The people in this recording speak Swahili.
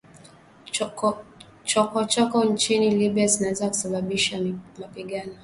Chokochoko nchini Libya zinaweza kusababisha mapigano